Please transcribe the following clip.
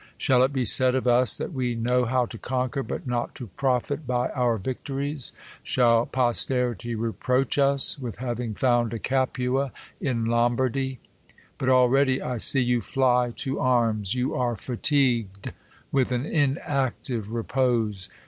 Shall it be said of us, that we ! know how to conquer, but not to profit by our victo ries ? Shall posterity reproach us with having found a I Capua in Lombardy'/ But already I sec you fly to I arms. You are fatigued with an inactive repose.